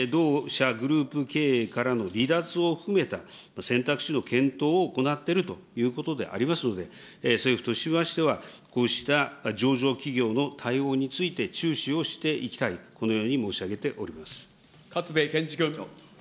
そして同社グループ経営からの離脱を含めた選択肢の検討を行っているということでありますので、政府としましては、こうした上場企業の対応について注視をしていきたいと、勝部賢志君。